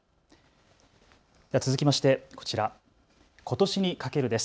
続きましてこちら、ことしにかけるです。